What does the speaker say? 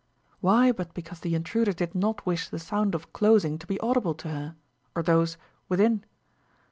Why but because the intruders did not wish the sound of closing to be audible to her or those within?